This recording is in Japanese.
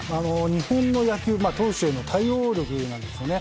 日本の野球投手への対応力なんですよね。